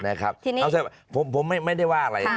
เอาแสดงว่าผมไม่ได้ว่าอะไร